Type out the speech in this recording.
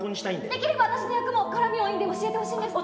できれば私の役も絡み多いんで教えてほしいです。